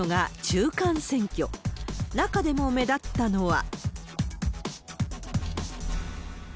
中でも目立ったのは。